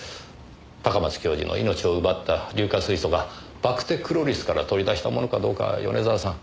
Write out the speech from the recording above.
高松教授の命を奪った硫化水素がバクテクロリスから取り出したものかどうかは米沢さん。